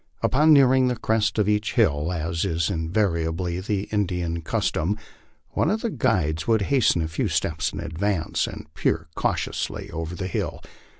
Upon nearing the crest of each hill, as is invariably the Indian custom, one of the guides would hasten a few steps in advance and peer cautiously over the hill.